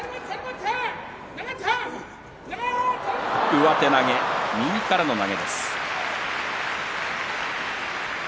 上手投げ右からの投げです。